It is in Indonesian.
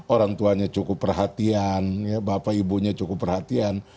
orang tuanya cukup perhatian bapak ibunya cukup perhatian